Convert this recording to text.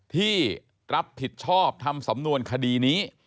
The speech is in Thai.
ที่รับผิดชอบทำสำนวนคดีนี้